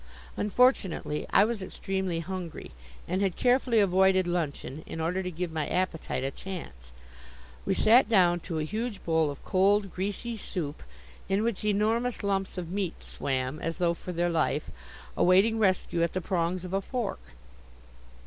Unfortunately I was extremely hungry, and had carefully avoided luncheon in order to give my appetite a chance. We sat down to a huge bowl of cold, greasy soup, in which enormous lumps of meat swam, as though for their life, awaiting rescue at the prongs of a fork.